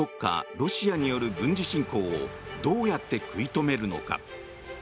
ロシアによる軍事侵攻をどうやって食い止めるのか。